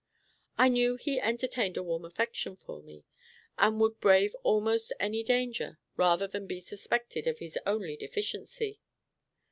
I knew he entertained a warm affection for me, and would brave almost any danger rather than be suspected of his only deficiency.